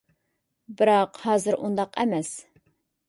بىراق ھازىر ئۇنداق ئەمەس.